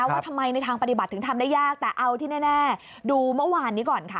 ว่าทำไมในทางปฏิบัติถึงทำได้ยากแต่เอาที่แน่ดูเมื่อวานนี้ก่อนค่ะ